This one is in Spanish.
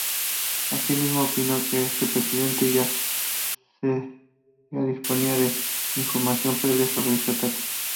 Asimismo, opinó que este presidente ya disponía de información previa sobre este ataque.